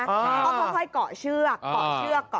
ก็ค่อยเกาะเชือก